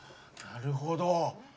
なるほど。